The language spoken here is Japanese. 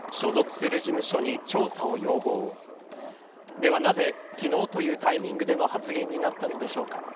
ではなぜ、昨日というタイミングでの発言になったのでしょうか。